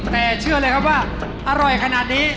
แต่เชื่อเลยครับว่าอร่อยขนาดนี้